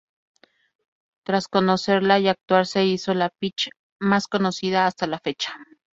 Tras conocerla y actuar se hizo la "Peach" más conocida hasta la fecha.